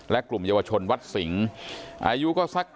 และกลุ่มเยาวชนวัดสิงศ์อายุก็สัก